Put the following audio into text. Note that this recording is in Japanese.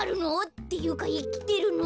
っていうかいきてるの？